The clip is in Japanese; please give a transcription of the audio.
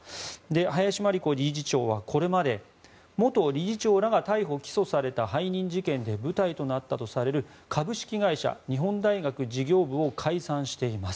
林真理子理事長は、これまで元理事長らが逮捕・起訴された背任事件で舞台となったとされる株式会社日本大学事業部を解散しています。